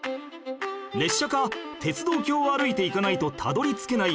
列車か鉄道橋を歩いていかないとたどり着けない